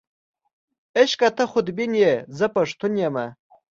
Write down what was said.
عشقه ته خودبین یې، زه پښتون یمه.